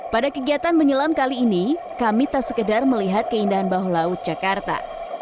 pada kegiatan menyelam kali ini kami tak sekedar melihat keindahan bawah laut jakarta